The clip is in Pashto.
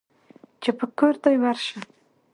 چې په کور دى ورشه.